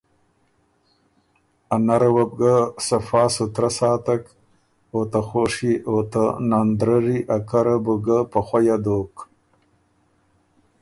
ا نره وه بُو صفا سُترۀ ساتک او ته خوشيې او ته نندرَرّی ا کره بو ګۀ په خؤیه دوک